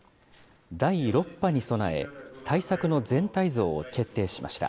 第６波に備え、対策の全体像を決定しました。